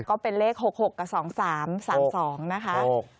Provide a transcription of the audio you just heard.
ก็เป็นเลข๖๖กับ๒๓๓๒นะคะ